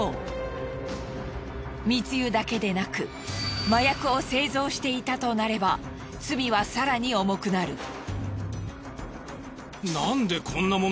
密輸だけでなく麻薬を製造していたとなれば罪は更に重くなる。